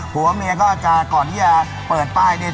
หัวเมียก็จะก่อนที่จะเปิดป้ายเนี่ย